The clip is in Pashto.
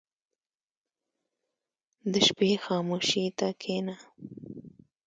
• د شپې خاموشي ته کښېنه.